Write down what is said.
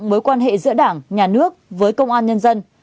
mối quan hệ giữa đảng nhà nước với công an nhân dân